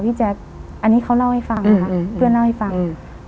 พี่แจ๊กอันนี้เขาเล่าให้ฟังนะคะอืมอืมเพื่อนเล่าให้ฟังอืม